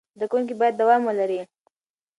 زده کوونکي باید دوام ولري.